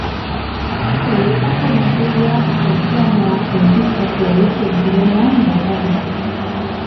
Europako inperioak ozeanoak konkistatzera irten zirenean gertatu zen.